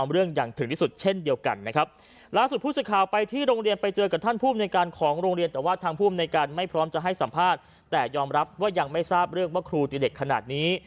รับว่ายังไม่ทราบเรื่องว่าครูตีเด็กขนาดนี้